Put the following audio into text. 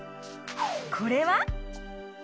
これは？